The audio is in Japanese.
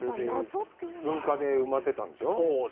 噴火で埋まってたんでしょう。